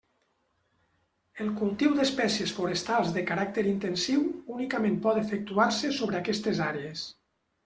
El cultiu d'espècies forestals de caràcter intensiu únicament pot efectuar-se sobre aquestes àrees.